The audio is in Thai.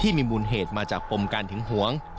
มีมูลเหตุมาจากปมการหึงหวง